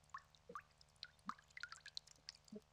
Mkoa wa Geita unakadiriwa kuwa na wakazi milioni moja